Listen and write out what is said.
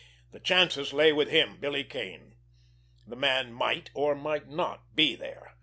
The chances lay with him, Billy Kane. The man might, or might not, be there.